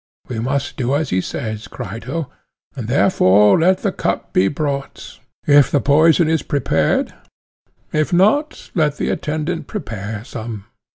We must do as he says, Crito; and therefore let the cup be brought, if the poison is prepared: if not, let the attendant prepare some.